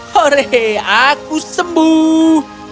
hooray aku sembuh